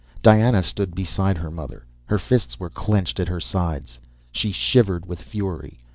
Diana stood beside her mother. Her fists were clenched at her sides. She shivered with fury.